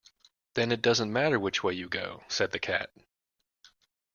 ‘Then it doesn’t matter which way you go,’ said the Cat.